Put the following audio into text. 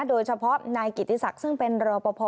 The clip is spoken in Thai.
โดยเฉพาะนายกิติศักดิ์ซึ่งเป็นรอปภ